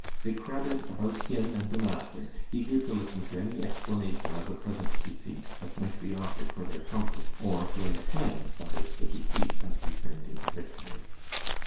They crowded about him and the master, eager to listen to any explanation of the present defeat that might be offered for their comfort, or to any plans by which the defeat might be turned into victory.